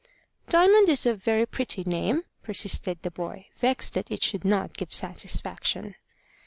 "Diamond is a very pretty name," persisted the boy, vexed that it should not give satisfaction.